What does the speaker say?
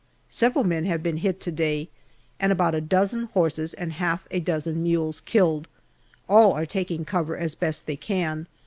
Several men have been hit to day, and about a dozen horses and half a dozen mules killed. All are taking cover as best they can.